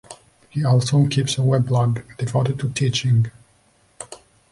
He also keeps a weblog devoted to teaching.